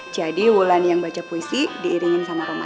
jadi wulan yang baca puisi diiringin sama roman